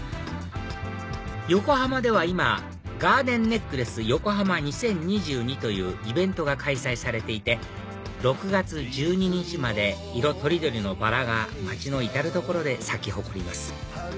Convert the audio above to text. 横浜では今「ガーデンネックレス横浜２０２２」というイベントが開催されていて６月１２日まで色取り取りのバラが街の至る所で咲き誇ります